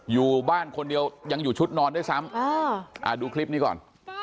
อยู่บ้านคนเดียวยังอยู่ชุดนอนด้วยซ้ำดูคลิปนี้ก่อน